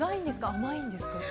甘いです。